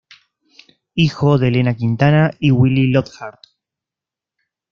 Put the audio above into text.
Hijo de Elena Quintana y Willy Lockhart.